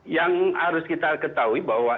yang harus kita ketahui bahwa